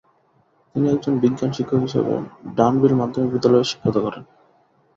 তিনি একজন বিজ্ঞান শিক্ষক হিসেবে ডানভিল মাধ্যমিক বিদ্যালয়ে শিক্ষকতা করেন।